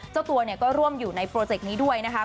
เจ้าตัวเนี่ยก็ร่วมอยู่ในโปรเจกต์นี้ด้วยนะคะ